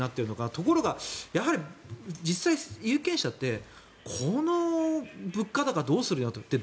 ところが、やはり実際、有権者ってこの物価高どうするのって。